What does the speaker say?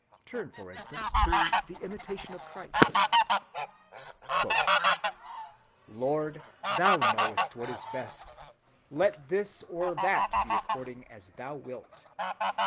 Turn, for instance, to the Imitation of Christ:— "Lord, thou knowest what is best; let this or that be according as thou wilt.